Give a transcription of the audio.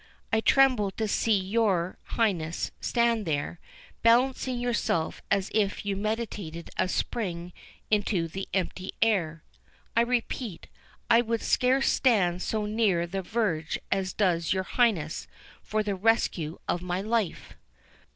—I tremble to see your Highness stand there, balancing yourself as if you meditated a spring into the empty air. I repeat, I would scarce stand so near the verge as does your Highness, for the rescue of my life."